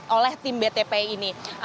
oleh tim btp ini